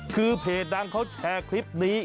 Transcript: คือเพจดังเขาแชร์คลิปนี้